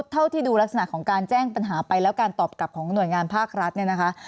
เท่าที่ดูลักษณะของการแจ้งปัญหาไปแล้วการตอบกลับของหน่วยงานภาครัฐเนี่ยนะคะ